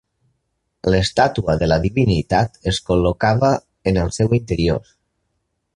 L'estàtua de la divinitat es col·locava en el seu interior.